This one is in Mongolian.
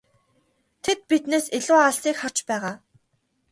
Тэд биднээс илүү алсыг харж байгаа.